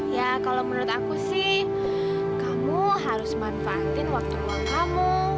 ya kalau menurut aku sih kamu harus manfaatin waktu ruang kamu